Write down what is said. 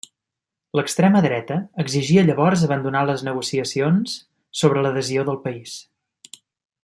L'extrema dreta exigia llavors abandonar les negociacions sobre l'adhesió del país.